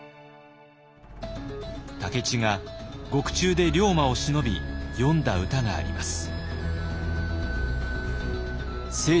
武市が獄中で龍馬をしのび詠んだ歌があります。